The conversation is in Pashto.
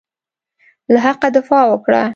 له حقه دفاع وکړه.